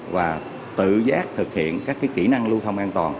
và tự giác thực hiện các kỹ năng lưu thông an toàn